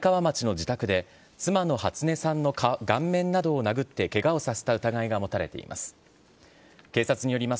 伊藤裕樹容疑者はきのう、愛川町の自宅で、妻の初音さんの顔面などを殴ってけがをさせた疑いが持たれています。